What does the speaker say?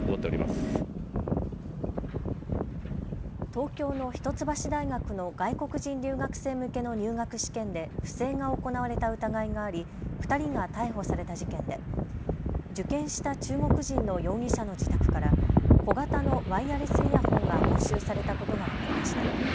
東京の一橋大学の外国人留学生向けの入学試験で不正が行われた疑いがあり２人が逮捕された事件で受験した中国人の容疑者の自宅から小型のワイヤレスイヤホンが押収されたことが分かりました。